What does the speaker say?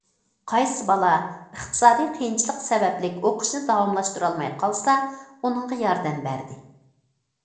قايسى بالا ئىقتىسادىي قىيىنچىلىق سەۋەبلىك ئوقۇشىنى داۋاملاشتۇرالماي قالسا، ئۇنىڭغا ياردەم بەردى.